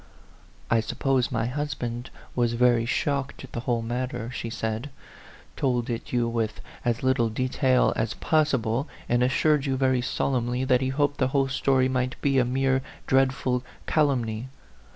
" I suppose my husband was very shocked at the whole matter," she said " told it you with as little detail as possible, and assured you very solemnly that he hoped the whole story might be a mere dreadful calumny?